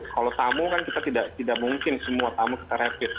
kalau tamu kan kita tidak mungkin semua tamu kita rapid